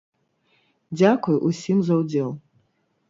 Дзякуй усім за удзел!